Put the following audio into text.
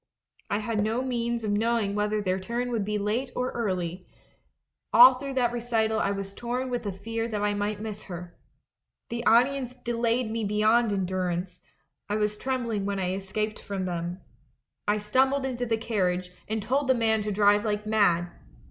I had no means of knowing whether their turn would be late or early; all through that recital I was torn with the fear that I might miss her. The audience delayed me beyond endurance — I was trembling when I escaped from them. I stumbled into the carriage, and told the man to drive like mad.